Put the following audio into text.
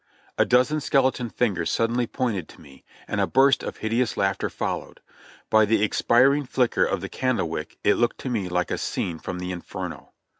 A dozen skeleton fingers suddenly pointed to me, and a burst of hideous laughter followed. By the expiring flicker of the candle wick it looked to me like a scene from the Inferno.